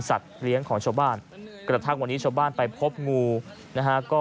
เลี้ยงของชาวบ้านกระทั่งวันนี้ชาวบ้านไปพบงูนะฮะก็